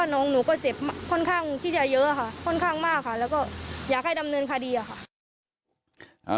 น้องหนูก็เจ็บค่อนข้างที่จะเยอะค่ะค่อนข้างมากค่ะแล้วก็อยากให้ดำเนินคดีอะค่ะ